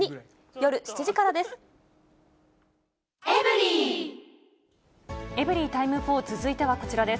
夜７時からです。